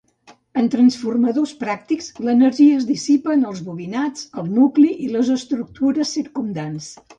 En transformadors pràctics l'energia es dissipa en els bobinats, el nucli, i les estructures circumdants.